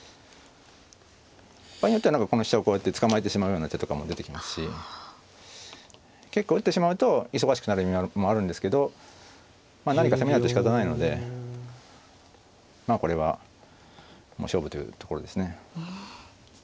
場合によってはこの飛車をこうやって捕まえてしまうような手とかも出てきますし結構打ってしまうと忙しくなる意味もあるんですけど何か攻めないとしかたないのでまあこれはもう勝負というところですね。